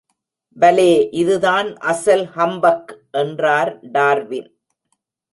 பலே இதுதான் அசல் ஹம்பக் என்றார் டார்வின்.